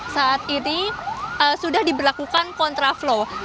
saat ini sudah diberlakukan contra flow